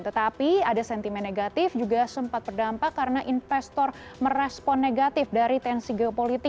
tetapi ada sentimen negatif juga sempat berdampak karena investor merespon negatif dari tensi geopolitik